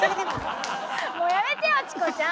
もうやめてよチコちゃん！